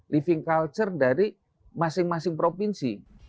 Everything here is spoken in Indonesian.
living culture dari masing masing provinsi